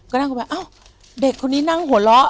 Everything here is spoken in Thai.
ก็นั่งไปว่าอ้าวเด็กคนนี้นั่งหัวล้อ